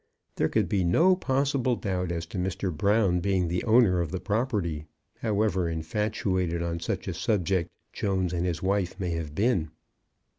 There could be no possible doubt as to Mr. Brown being the owner of the property, however infatuated on such a subject Jones and his wife may have been.